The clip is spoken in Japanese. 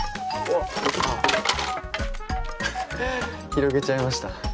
広げちゃいました。